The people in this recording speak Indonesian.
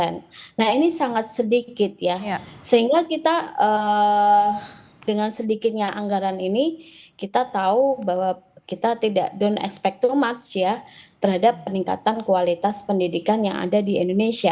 nah ini sangat sedikit ya sehingga kita dengan sedikitnya anggaran ini kita tahu bahwa kita tidak down expect tomats ya terhadap peningkatan kualitas pendidikan yang ada di indonesia